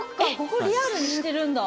ここリアルにしてるんだ！